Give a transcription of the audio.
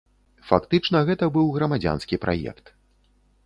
Фактычна, гэта быў грамадзянскі праект.